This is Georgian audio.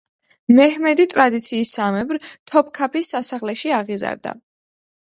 მეჰმედი ტრადიციისამებრ, თოფქაფის სასახლეში აღიზარდა.